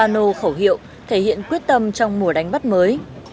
nano khẩu hiệu thể hiện quyết tâm trong mùa đánh bắt mới